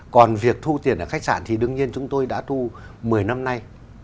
còn việc thu tiền ở khách sạn thì đương nhiên chúng tôi đã thu một mươi năm nay